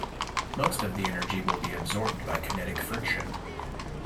Most of the energy will be absorbed by kinetic friction.